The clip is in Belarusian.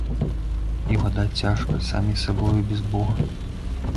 І ўгадаць цяжка, самі сабой без бога.